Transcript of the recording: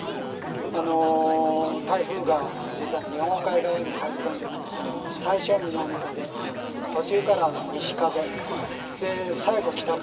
あの台風が実は日本海側に入り込んできてて最初は南風途中から西風で最後北風。